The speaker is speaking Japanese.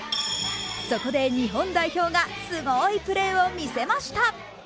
そこで日本代表がすごいプレーを見せました。